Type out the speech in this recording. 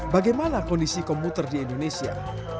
bagaimana kondisi komuter di indonesia